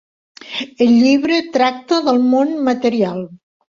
El llibre tracta del món material.